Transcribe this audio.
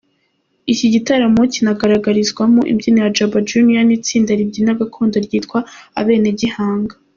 Iki gitaramo kiranagaragarizwamo imbyino za Jabba Junior n’itsinda ribyina gakondo ryitwa Abenegihanga.